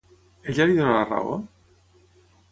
Ella li dona la raó?